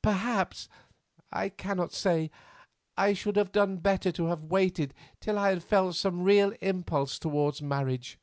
Perhaps, I cannot say, I should have done better to have waited till I felt some real impulse towards marriage.